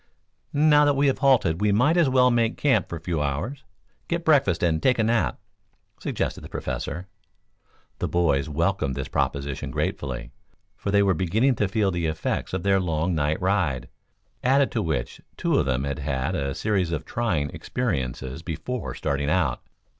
"Now that we have halted we might as well make camp for a few hours, get breakfast and take a nap," suggested the Professor. The boys welcomed this proposition gratefully, for they were beginning to feel the effects of their long night ride, added to which, two of them had had a series of trying experiences before starting out.